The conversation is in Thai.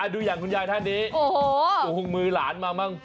ดูอย่างคุณยายท่านนี้โอ้โหมือหลานมามั่ง